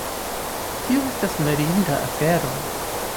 Tio estas mirinda afero